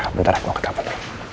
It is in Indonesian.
bentar aku mau ke tabat